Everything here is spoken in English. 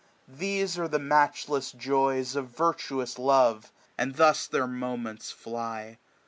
These are the matchless joys of virtuous love ; And thus their^monjents fly.